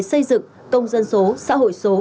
xây dựng công dân số xã hội số